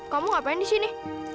kamu ngapain di sini